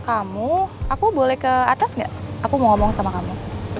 kamu aku boleh ke atas gak aku mau ngomong sama kamu